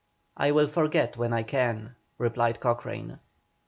"I will forget when I can," replied Cochrane.